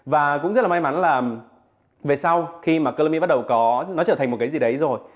và cũng rất là may mắn là về sau khi mà columi bắt đầu có nó trở thành một cái gì đấy rồi